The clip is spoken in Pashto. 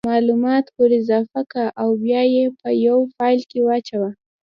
مالومات ور اضافه که او بیا یې په یو فایل کې واچوه